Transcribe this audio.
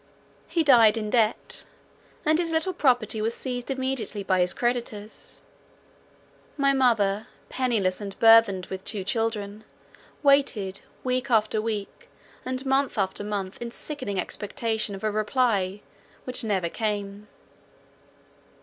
He died in debt, and his little property was seized immediately by his creditors. My mother, pennyless and burthened with two children, waited week after week, and month after month, in sickening expectation of a reply, which never came.